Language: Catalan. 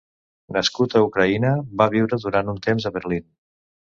Nascut a Ucraïna, va viure durant un temps a Berlín.